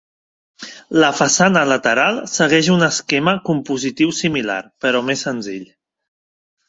La façana lateral segueix un esquema compositiu similar, però més senzill.